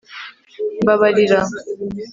mbabarira